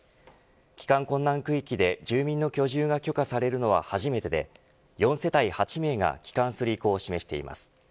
帰還困難区域で住民の居住が許可されるのは初めてで４世帯８名が帰還する意向を示しています。